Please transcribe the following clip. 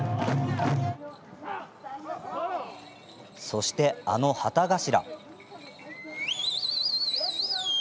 そして、あの旗頭。